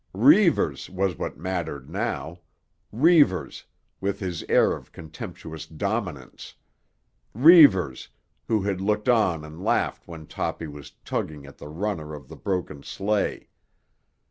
Reivers was what mattered now—Reivers, with his air of contemptuous dominance; Reivers, who had looked on and laughed when Toppy was tugging at the runner of the broken sleigh.